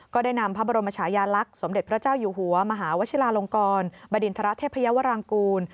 ได้นำพระบรมชายาลักษณ์สมเด็จพระเจ้าอยู่หัวมหาวชิลาลงกรบดินทรเทพยาวรางกูล